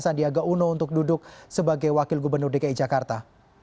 sandiaga uno untuk duduk sebagai wakil gubernur dki jakarta